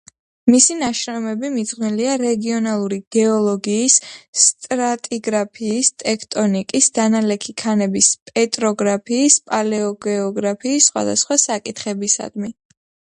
მისი ნაშრომები მიძღვნილია რეგიონალური გეოლოგიის, სტრატიგრაფიის, ტექტონიკის, დანალექი ქანების პეტროგრაფიის, პალეოგეოგრაფიის სხვადასხვა საკითხებისადმი.